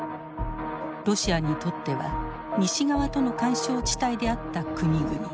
ロシアにとっては西側との緩衝地帯であった国々。